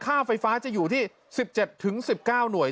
ค่าไฟฟ้าจะอยู่ที่๑๗๑๙หน่วย